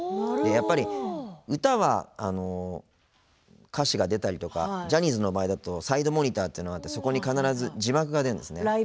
やっぱり、歌は歌詞が出たりとかジャニーズの場合だとサイドモニターっていうのがあってそこに必ず字幕が出るんですね。